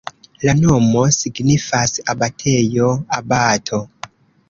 La nomo signifas: abatejo-abato.